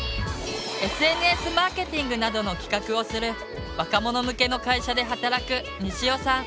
ＳＮＳマーケティングなどの企画をする若者向けの会社で働くにしおさん。